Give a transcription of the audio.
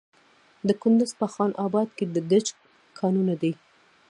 د کندز په خان اباد کې د ګچ کانونه دي.